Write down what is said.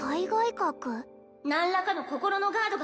何らかの心のガードが